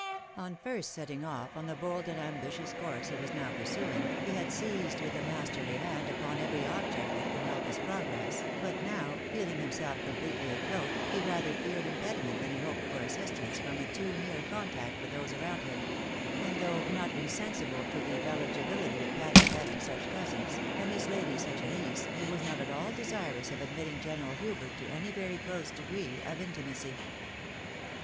On first setting off on the bold and ambitious course he was now pursuing, he had seized with a masterly hand upon every object that could help his progress, but now, feeling himself completely afloat, he rather feared impedunent than hoped for assistance, from a too near contact with those around him ; and though not insensible to the eligibility of Patty's having such cousins, and his lady sucll a niece, he was not at all desirous of admitting General Hubert to any very close degree of intimacy.